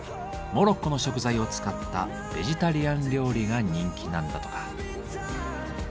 モロッコの食材を使ったベジタリアン料理が人気なんだとか。